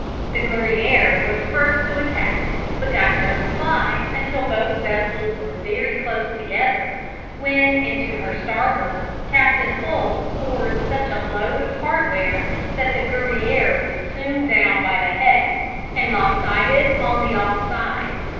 The Guerriere was first to attack, but got no reply until both vessels were very close together, when into her starboard Captain Hull poured such a load of hardware that the Guerriere was soon down by the head and lop sided on the off side.